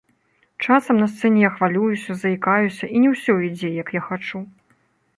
Часам на сцэне я хвалююся, заікаюся і не ўсё ідзе, як я хачу.